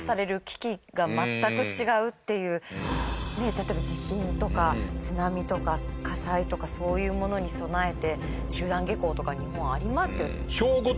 例えば地震とか津波とか火災とかそういうものに備えて集団下校とか日本もありますけど。